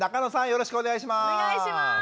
よろしくお願いします。